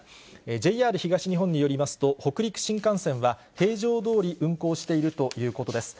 ＪＲ東日本によりますと、北陸新幹線は平常どおり運行しているということです。